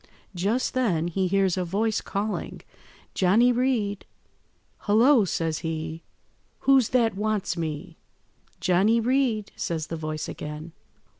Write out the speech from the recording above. Just then he hears a voice calling— "'Johnny Reed!' "'Hullo!' says he, 'who's that wants me?' "'Johnny Reed,' says the voice again.